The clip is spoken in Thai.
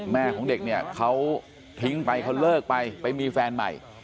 แม่ของเด็กเนี่ยเขาทิ้งไปเขาเลิกไปไปมีแฟนใหม่